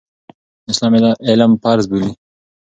اسلام علم فرض بولي.